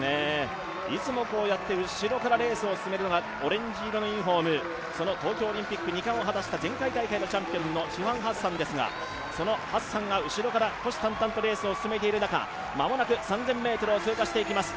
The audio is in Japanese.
いつもこうやって後ろからレースを進めるのがオレンジ色のユニフォーム、東京オリンピック２冠を果たした前回大会チャンピオンのシファン・ハッサンですがそのハッサンが後ろから虎視眈々とレースを進めている中、間もなく３０００ｍを通過していきます